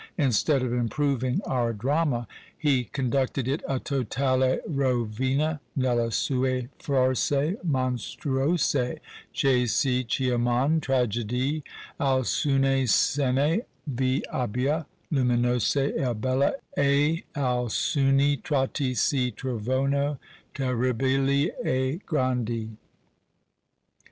Instead of improving our drama, he conducted it _a totale rovina nelle sue farse monstruose, che si chiaman tragedie; alcune scene vi abbia luminose e belle e alcuni tratti si trovono terribili e grandi_.